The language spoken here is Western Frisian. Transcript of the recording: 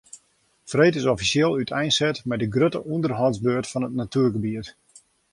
Freed is offisjeel úteinset mei de grutte ûnderhâldsbeurt fan it natuergebiet.